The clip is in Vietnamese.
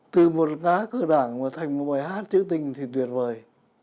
từ một lá cờ đảng mà thành một bài hát chữ tình thì tuyệt vời